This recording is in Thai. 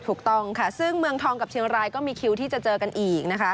ถูกต้องค่ะซึ่งเมืองทองกับเชียงรายก็มีคิวที่จะเจอกันอีกนะคะ